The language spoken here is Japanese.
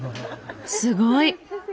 すごい！